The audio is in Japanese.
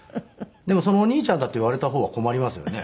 でもそのお兄ちゃんだって言われた方は困りますよね。